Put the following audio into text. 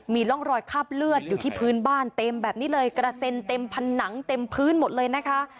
มีร่องรอยคาบเลือดอยู่ที่พื้นบ้านเต็มแบบนี้เลยกระเซ็นเต็มผนังเต็มพื้นหมดเลยนะคะ